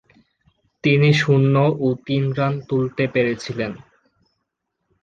তিনি শূন্য ও তিন রান তুলতে পেরেছিলেন।